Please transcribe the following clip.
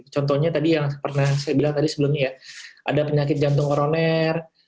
contohnya tadi yang pernah saya bilang tadi sebelumnya ya ada penyakit jantung koroner